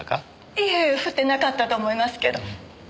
いえ降ってなかったと思いますけど。